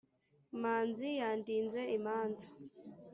Manzi yandinze imanza,